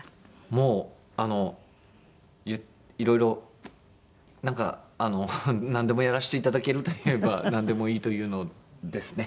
もういろいろなんかあのなんでもやらせていただけるといえばなんでもいいというのですね